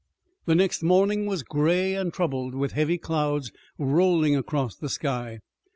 The next morning was gray and troubled, with heavy clouds, rolling across the sky.